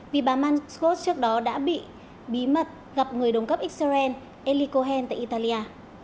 vì bà mangos trước đó đã bị bí mật gặp người đồng cấp israel eli cohen tại italia